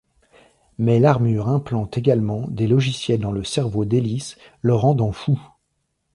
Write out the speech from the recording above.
Mais l'armure implante également des logiciels dans le cerveau d'Ellis, le rendant fou.